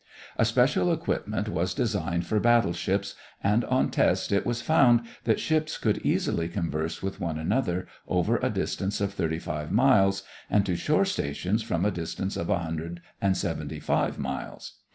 A special equipment was designed for battle ships and on test it was found that ships could easily converse with one another over a distance of thirty five miles and to shore stations from a distance of a hundred and seventy five miles.